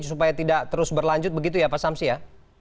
supaya tidak terus berlanjut begitu ya pak samsi ya